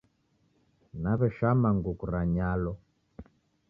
Naweshama nguku ra nyalo